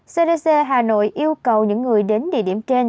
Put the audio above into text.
cdc hà nội yêu cầu những người đến địa điểm trên